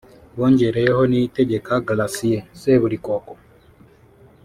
bongereyeho Niyitegeka Gratien (Seburikoko)